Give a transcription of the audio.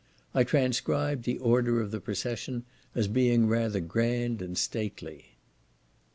I transcribed the order of the procession as being rather grand and stately.